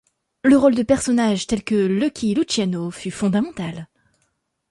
Le rôle de personnages tels que Lucky Luciano fut fondamental.